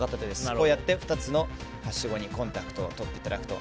こうやって２つのはしごにコンタクトをとっていただくと。